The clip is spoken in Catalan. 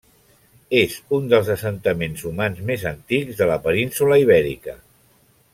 És un dels assentaments humans més antics de la península Ibèrica.